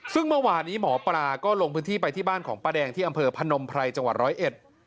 ซึ่งเมื่อวานนี้หมอปลาก็ลงพื้นที่ไปที่บ้านของป้าแดงที่อำเภอพนมไพรจังหวัดร้อยเอ็ด